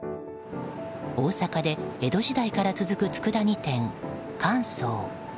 大阪で江戸時代から続くつくだ煮店、神宗。